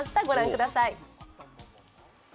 ご覧ください。